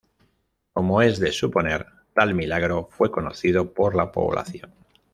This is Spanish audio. Como es de suponer, tal milagro fue conocido por la población.